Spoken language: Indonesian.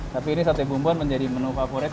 tapi ini sate bumbu menjadi menu favorit